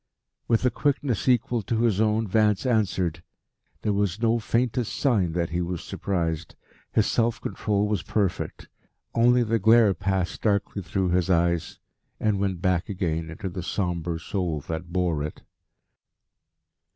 With a quickness equal to his own, Vance answered. There was no faintest sign that he was surprised. His self control was perfect. Only the glare passed darkly through his eyes and went back again into the sombre soul that bore it.